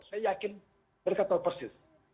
saya yakin mereka tahu persis